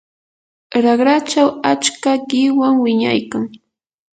raqrachaw achka qiwan wiñaykan.